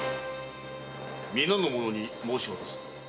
みなの者に申し渡す。